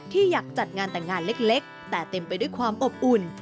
อยากจัดงานแต่งงานเล็กแต่เต็มไปด้วยความอบอุ่น